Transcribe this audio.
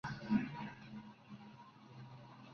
Tres de las cuatro ya están embarazadas.